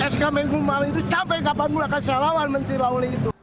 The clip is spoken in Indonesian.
sk menteri yasona itu sampai kapan mulai akan saya lawan menteri yasona itu